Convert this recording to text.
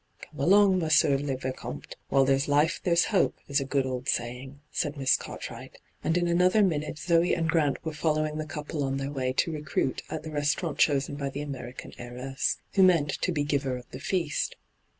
' Come along, Monsieur le Vicomte : While there's life there's hope, is a good old saying,' said Miss Cartwright, and in another minute Zoe and Grant were following the couple on tiieir way to recruit at the restaurant chosen by the American heiress, who meant to be giver of the feast.